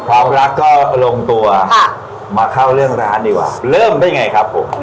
ความรักก็ลงตัวค่ะมาเข้าเรื่องร้านดีกว่าเริ่มได้ไงครับผม